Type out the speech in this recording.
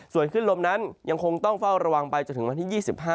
ส่วนขึ้นลมนั้นยังคงต้องเฝ้าระวังไปจนถึงวันที่๒๕